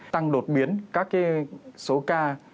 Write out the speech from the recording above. tăng đột biến các số ca